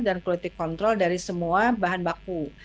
dan politik kontrol dari semua bahan baku